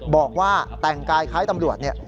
บอกว่าแต่งกายคล้ายตำรวจเนี่ย